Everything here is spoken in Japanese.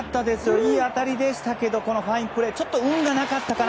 いい当たりでしたけどこのファインプレーちょっと運がなかったかな。